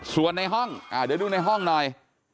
ส่วนในห้องเดี๋ยวดูในห้องหน่อย